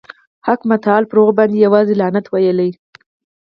حق متعال پر هغوی باندي یوازي لعنت ویلی.